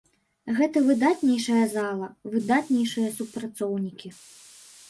Гэта выдатнейшая зала, выдатнейшыя супрацоўнікі.